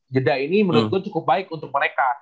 jeda ini menurut gue cukup baik untuk mereka